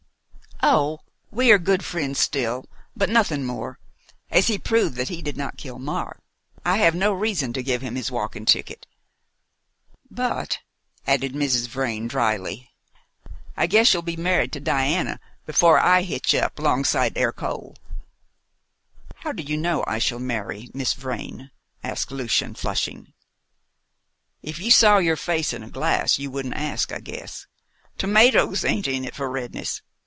"Oh, we are good friends still, but nothing more. As he proved that he did not kill Mark, I've no reason to give him his walking ticket. But," added Mrs. Vrain drily, "I guess you'll be married to Diana before I hitch up 'longside Ercole." "How do you know I shall marry Miss Vrain?" asked Lucian, flushing. "If you saw your face in a glass, you wouldn't ask, I guess. Tomatoes ain't in it for redness.